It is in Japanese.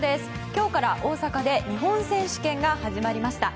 今日から大阪で日本選手権が始まりました。